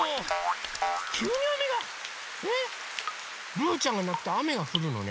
ルーちゃんがなくとあめがふるのね。